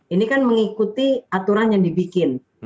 ini kan mengikuti aturan yang dibikin